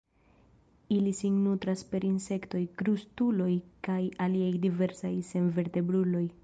Ili sin nutras per insektoj, krustuloj kaj aliaj diversaj senvertebruloj.